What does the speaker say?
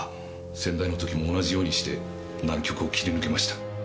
先代の時も同じようにして難局を切り抜けました。